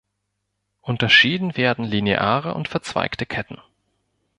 Unterschieden werden lineare und verzweigte Ketten.